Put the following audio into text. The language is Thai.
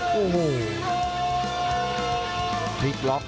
พลิกล็อค